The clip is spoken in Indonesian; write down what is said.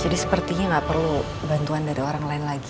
jadi sepertinya tidak perlu bantuan dari orang lain lagi